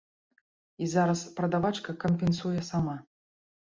І зараз прадавачка кампенсуе сама.